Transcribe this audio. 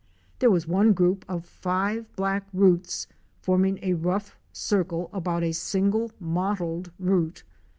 There was one group of five black roots forming a rough circle about a single mottled root.